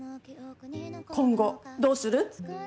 今後どうする？